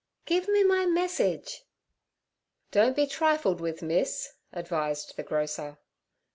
'Give me my message.' 'Don't be trifled with, miss' advised the grocer.